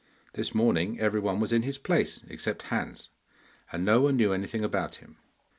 This morning everyone was in his place except Hans, and no one knew anything about him.